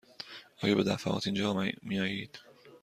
آیا به دفعات اینجا می آیید؟